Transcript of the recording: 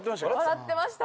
笑ってました。